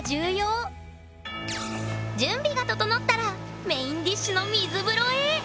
準備が整ったらメインディッシュの水風呂へ！